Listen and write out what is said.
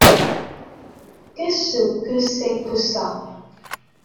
Qu’est-ce que c’est que ça ?